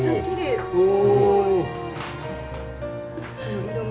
すごい。